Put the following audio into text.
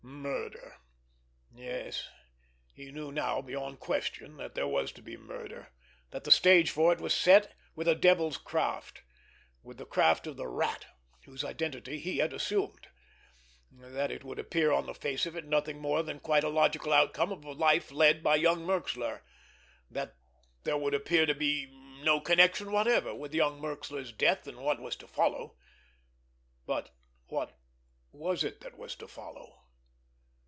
Murder! Yes, he knew now beyond question that there was to be murder, that the stage for it was set with a devil's craft, with the craft of the Rat whose identity he had assumed; that it would appear on the face of it nothing more than quite a logical outcome of the life led by young Merxler, that there would appear to be no connection whatever with young Merxler's death and what was to follow—but what was it that was to follow?